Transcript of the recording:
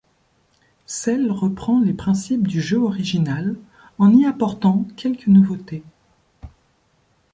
Celle reprend les principes du jeu original en y apportant quelques nouveautées.